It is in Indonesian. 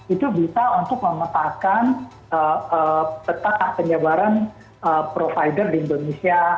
itu bisa untuk memetakkan peta penyebaran provider di indonesia